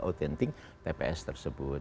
autentik tps tersebut